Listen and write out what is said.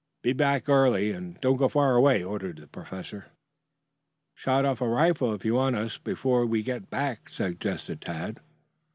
"Be back early, and do not go far away," ordered the professor. "Shoot off a rifle if you want us before we get back," suggested Tad.